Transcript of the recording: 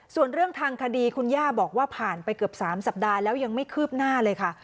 ส่วนเรื่องทางคดีคุณย่าบอกว่าผ่านไปเกือบ๓สัปดาห์แล้วยังไม่คืบหน้าเลยค่ะ